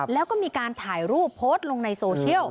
แล้วก็มีการถ่ายรูปโพสต์ลงในโซเชียล